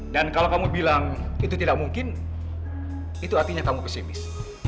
dan kalau kamu bilang itu tidak mungkin itu artinya kamu pesimis